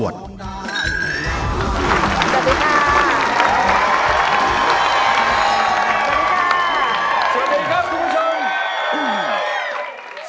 สวัสดีครับคุณผู้ชม